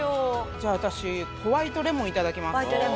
じゃあ私ホワイトレモン頂きます。